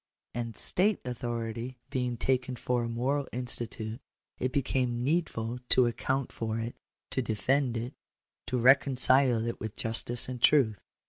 And state authority being taken for a moral institute, it became needful to account for it, to defend it, to reconcile it with justice and truth.